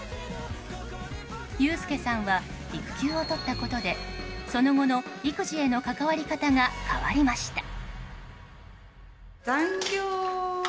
裕介さんは育休を取ったことでその後の育児への関わり方が変わりました。